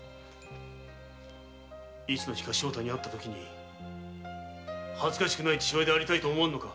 いつの日か正太に会ったとき恥ずかしくない父親でありたいとは思わぬか。